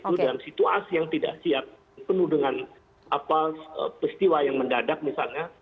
itu dalam situasi yang tidak siap penuh dengan peristiwa yang mendadak misalnya